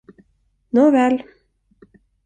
Nåväl!